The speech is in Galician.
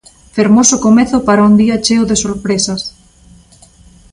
Fermoso comezo para un día cheo de sorpresas.